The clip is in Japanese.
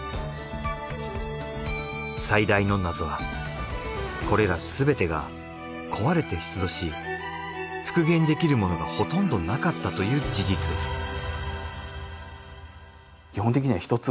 最大の謎はこれらすべてが壊れて出土し復元できるものがほとんどなかったという事実です。